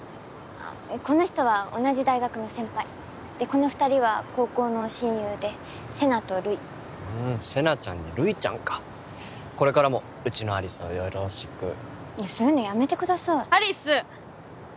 この人は同じ大学の先輩でこの二人は高校の親友で世奈と留依ふん世奈ちゃんに留依ちゃんかこれからもうちの有栖をよろしくいやそういうのやめてください有栖！